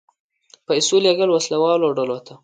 پیسو لېږل وسله والو ډلو ته.